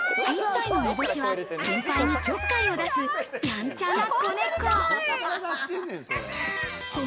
１歳のにぼしは、先輩にちょっかいを出すやんちゃな子ネコ。